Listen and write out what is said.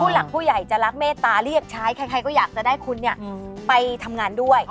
หลักผู้ใหญ่จะรักเมตตาเรียกใช้ใครก็อยากจะได้คุณไปทำงานด้วย